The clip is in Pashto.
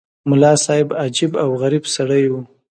ملا صاحب عجیب او غریب سړی وو.